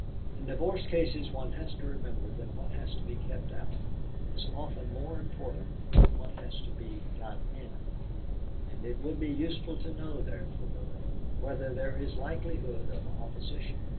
In divorce cases one has to remember that what has to be kept out is often more important than what has to be got in, and it would be useful to know, therefore, whether there is likelihood of opposition.